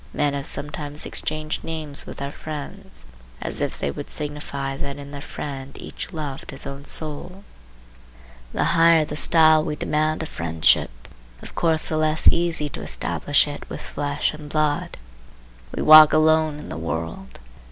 Men have sometimes exchanged names with their friends, as if they would signify that in their friend each loved his own soul. The higher the style we demand of friendship, of course the less easy to establish it with flesh and blood. We walk alone in the world.